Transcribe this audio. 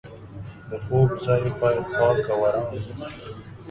د خوب ځای باید پاک او ارام وي.